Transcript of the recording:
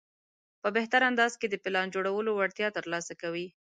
په بهتر انداز کې د پلان جوړولو وړتیا ترلاسه کوي.